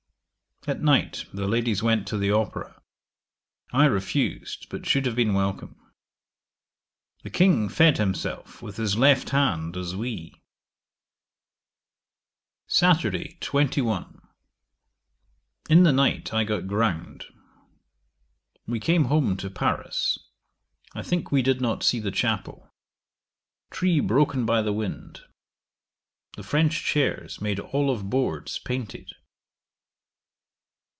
'At night the ladies went to the opera. I refused, but should have been welcome. 'The King fed himself with his left hand as we. 'Saturday, 21. In the night I got ground. We came home to Paris. I think we did not see the chapel. Tree broken by the wind. The French chairs made all of boards painted.